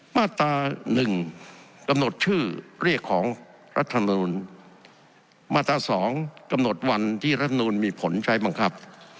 มาตราหนึ่งกำหนดชื่อเรียกของรัฐธรรมนุนมาตราสองกำหนดวันที่รัฐธรรมนุนมีผลใช้บังคับ